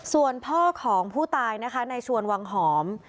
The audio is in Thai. ส่วนพ่อของผู้ตายนะคะในชวนวังหอม